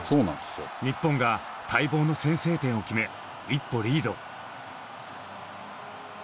日本が待望の先制点を決め一歩リード。